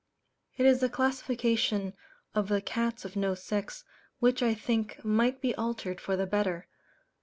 It is the classification of the "Cats of no Sex" which I think might be altered for the better.